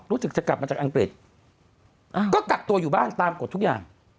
รู้สึกจะกลับมาจากอังกฤษก็กักตัวอยู่บ้านตามกฎทุกอย่าง